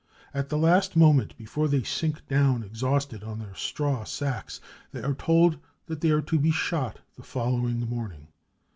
At the last moment before they sink down exhausted on *their straw ; sacks they are told that they are to be shot the following ( morning.